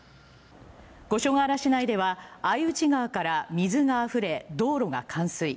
五所川原市内では相内川から水が溢れ、道路が冠水。